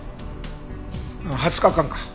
２０日間か。